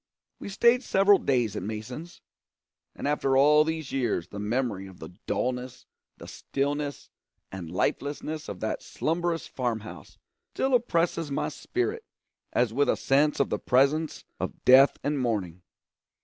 We stayed several days at Mason's; and after all these years the memory of the dullness, the stillness and lifelessness of that slumberous farm house still oppresses my spirit as with a sense of the presence of death and mourning.